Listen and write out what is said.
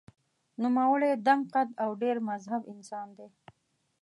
نوموړی دنګ قد او ډېر مهذب انسان دی.